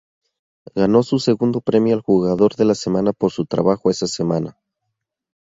Ganó su segundo premio al jugador de la semana por su trabajo esa semana.